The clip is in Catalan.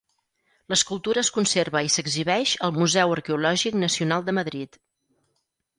L'escultura es conserva i s'exhibeix al Museu Arqueològic Nacional de Madrid.